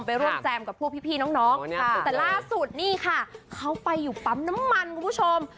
ร่วมแจมกับพวกพี่น้องแต่ล่าสุดนี่ค่ะเขาไปอยู่ปั๊มน้ำมันคุณผู้ชม